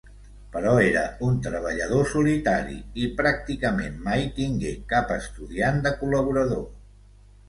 Però era un treballador solitari i pràcticament mai tingué cap estudiant de col·laborador.